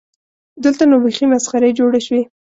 دلته نو بیخي مسخرې جوړې شوې.